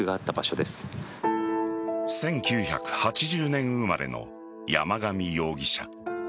１９８０年生まれの山上容疑者。